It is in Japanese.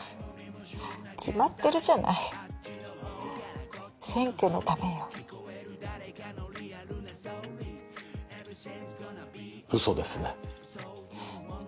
決まってるじゃない選挙のためよ嘘ですね